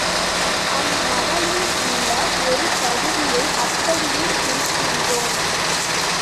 அம்மடலில் உள்ள ஒரு பகுதியை அப்படியே குறிக்கின்றோம்.